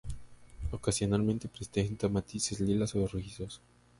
Ocasionalmente presenta matices lilas o rojizos.